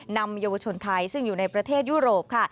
นำเยาวชนไทยซึ่งอยู่ในประเทศยุโรปค่ะ